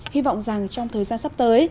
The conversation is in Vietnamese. hy vọng rằng trong thời gian sắp tới